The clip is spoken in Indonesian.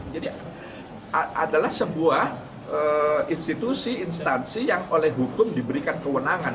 jadi adalah sebuah institusi instansi yang oleh hukum diberikan kewenangan